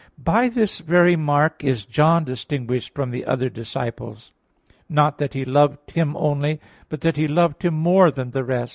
"By this very mark is John distinguished from the other disciples, not that He loved him only, but that He loved him more than the rest."